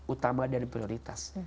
utama dan prioritas